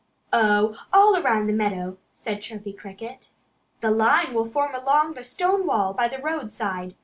"Oh, all around the meadow!" said Chirpy Cricket. "The line will form along the stone wall by the roadside.